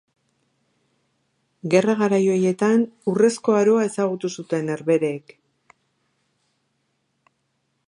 Gerra garai horietan, urrezko aroa ezagutu zuten Herbehereek.